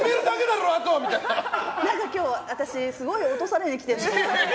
何か今日、私すごい落とされに来てる。